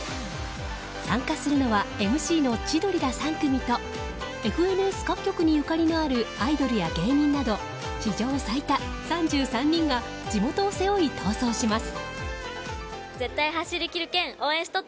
参加するのはＭＣの千鳥ら３組とＦＮＳ各局にゆかりのあるアイドルや芸人など史上最多３３人が地元を背負い逃走します。